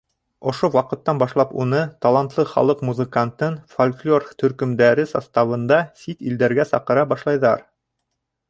Ошо ваҡыттан башлап уны, талантлы халыҡ музыкантын, фольклор төркөмдәре составында сит илдәргә саҡыра башлайҙар.